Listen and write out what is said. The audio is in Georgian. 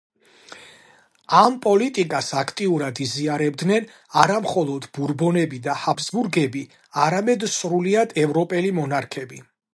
ამ პოლიტიკას აქტიურად იზიარებდნენ არამხოლოდ ბურბონები და ჰაბსბურგები, არამედ სრულიად ევროპელი მონარქები.